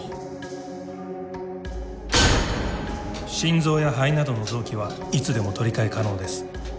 心臓や肺などの臓器はいつでも取り替え可能です。